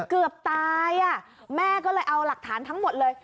เกือบตายแม่ก็เลยเอาหลักฐานทั้งหมดเลย